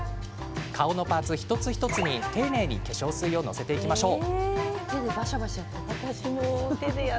顔のパーツ、一つ一つに丁寧に化粧水をのせていきましょう。